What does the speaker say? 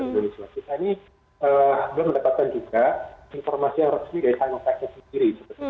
kita ini belum mendapatkan juga informasi yang resmi dari rumah sakit sendiri